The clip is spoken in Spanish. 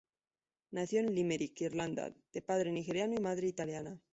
Nació en Limerick, Irlanda, de padre nigeriano y madre italiana.